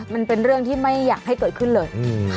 มันเป็นเรื่องที่ไม่อยากให้เกิดขึ้นเลย